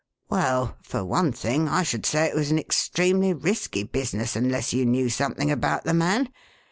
"Well, for one thing, I should say it was an extremely risky business unless you knew something about the man.